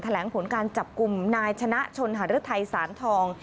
แหลงผลการจับกลุ่มนายชนะชนหารือไทยสารทอง